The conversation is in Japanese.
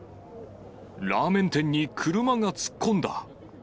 ラーメン店に車が突っ込んだ。